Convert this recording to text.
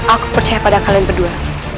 aku percaya pada kalian berdua